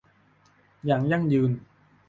อย่างยั่งยืน